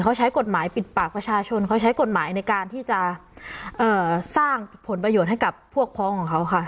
เขาใช้กฎหมายปิดปากประชาชนเขาใช้กฎหมายในการที่จะสร้างผลประโยชน์ให้กับพวกพ้องของเขาค่ะ